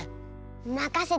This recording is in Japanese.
まかせて！